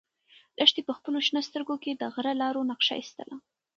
لښتې په خپلو شنه سترګو کې د غره د لارو نقشه ایستله.